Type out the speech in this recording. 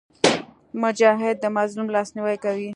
مجاهد د مظلوم لاسنیوی کوي.